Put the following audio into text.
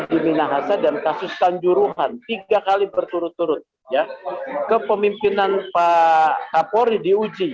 terima kasih dan kasus tanjuruhan tiga kali berturut turut ya kepemimpinan pak apori diuji